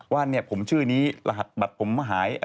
ว่าวันนี้ผมชื่อนี้รหัสบัตรผมมันหาย